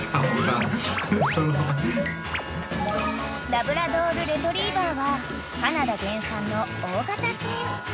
［ラブラドール・レトリーバーはカナダ原産の大型犬］